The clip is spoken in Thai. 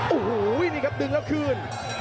โอ้โหนี่ครับดึงแล้วคืน